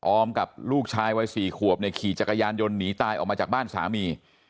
อมกับลูกชายวัย๔ขวบเนี่ยขี่จักรยานยนต์หนีตายออกมาจากบ้านสามี